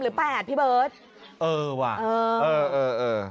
เออว่ะเออเออเออ